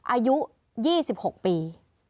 อายุ๒๖ปี